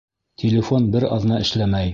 Телефон бер аҙна эшләмәй.